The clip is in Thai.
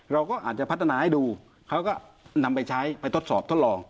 เราก็อาจจะพัฒนาให้ดูเขาก็นำไปใช้ไปทดสอบทดลอง